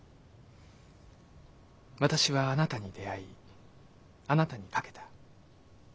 私はあなたに出会いあなたに懸けた。